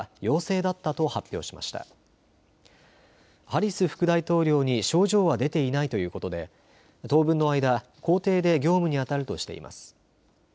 ハリス副大統領に症状は出ていないということで当分の間、公邸で業務にあたるとしています。